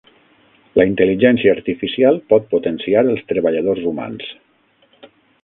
La intel·ligència artificial pot potenciar els treballadors humans.